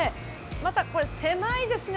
またこれ狭いですね。